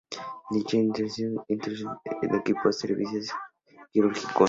Dicha intersección posibilita integrar al "psi" en equipos y servicios quirúrgicos.